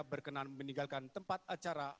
berkenan meninggalkan tempat acara